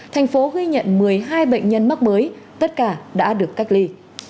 thành phố ghi nhận một mươi hai bệnh nhân mắc mới tất cả đã được cách ly